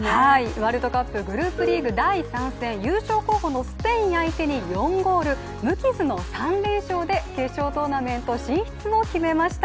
ワールドカップ、グループリーグ第３戦、優勝候補のスペイン相手に４ゴール、無傷の３連勝で決勝トーナメント進出を決めました。